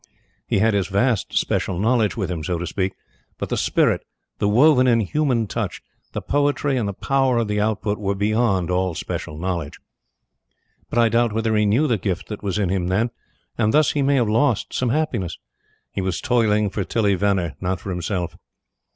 He had his vast special knowledge with him, so to speak; but the spirit, the woven in human Touch, the poetry and the power of the output, were beyond all special knowledge. But I doubt whether he knew the gift that was in him then, and thus he may have lost some happiness. He was toiling for Tillie Venner, not for himself.